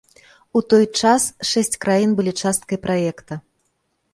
У той час шэсць краін былі часткай праекта.